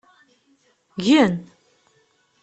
Gen!